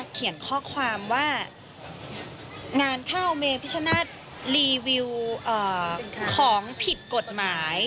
เขียนข้อความว่างานข้าวเมพิชนาธิ์รีวิวของผิดกฎหมาย